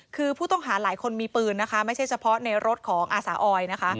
คือผู้ต้องหาหลายคนมีปืนนะคะไม่ใช่เฉพาะในรถของอาสาออยนะคะ